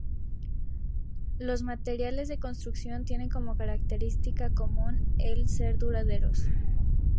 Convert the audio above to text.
Los materiales de construcción tienen como característica común el ser duraderos.